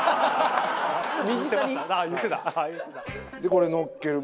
これのっける。